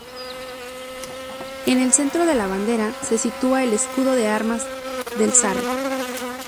En el centro de la bandera se sitúa el escudo de armas del Sarre.